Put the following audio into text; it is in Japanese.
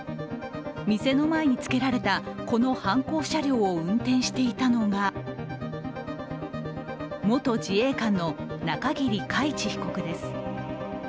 店の前につけられたこの犯行車両を運転していたのが元自衛官の中桐海知被告です。